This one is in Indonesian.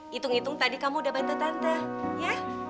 hitung hitung tadi kamu udah banta tante ya